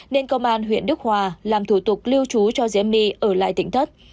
nên công an huyện đức hòa làm thủ tục lưu trú cho diễm my ở lại tình thất